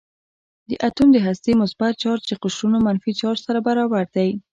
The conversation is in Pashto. د اتوم د هستې مثبت چارج د قشرونو منفي چارج سره برابر دی.